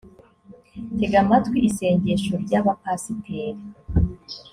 tega amatwi isengesho ryapasiteri